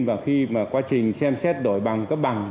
và khi mà quá trình xem xét đổi bằng cấp bằng